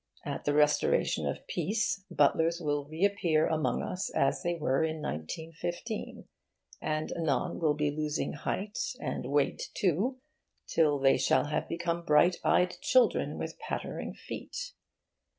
At the restoration of peace butlers will reappear among us as they were in 1915, and anon will be losing height and weight too, till they shall have become bright eyed children, with pattering feet.